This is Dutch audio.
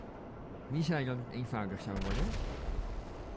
Wie zei dat het eenvoudig zou worden?